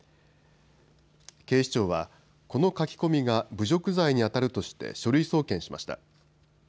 警視庁はこの書き込みが侮辱罪にあたるとして書類送検しました。